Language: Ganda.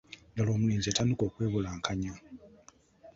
ddaala omulenzi yatandika okwebulankanya.